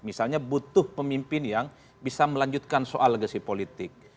misalnya butuh pemimpin yang bisa melanjutkan soal legasi politik